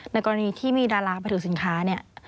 ในกรณีที่มีดารามาถือสินค้า